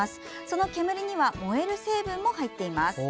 その煙には燃える成分も入っています。